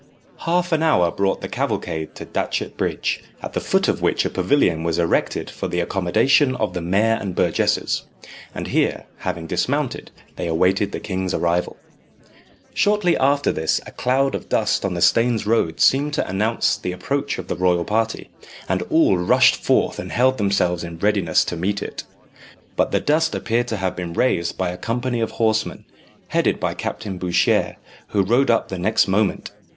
Half an hour brought the cavalcade to Datchet Bridge, at the foot of which a pavilion was erected for the accommodation of the mayor and burgesses. And here, having dismounted, they awaited the king's arrival. Shortly after this a cloud of dust on the Staines Road seemed to announce the approach of the royal party, and all rushed forth and held themselves in readiness to meet it. But the dust appeared to have been raised by a company of horsemen, headed by Captain Bouchier, who rode up the next moment.